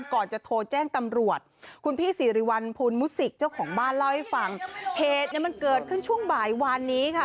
ก่อนจะโทรแจ้งตำรวจคุณพี่สิริวัลภูลมุสิกเจ้าของบ้านเล่าให้ฟังเหตุเนี่ยมันเกิดขึ้นช่วงบ่ายวานนี้ค่ะ